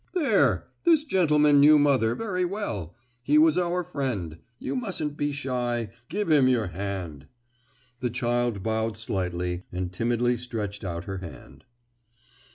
"There—this gentleman knew mother very well. He was our friend; you mustn't be shy,—give him your hand!" The child bowed slightly, and timidly stretched out her hand.